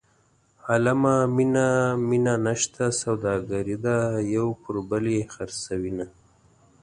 عالمه مینه مینه نشته سوداګري ده یو پر بل یې خرڅوینه.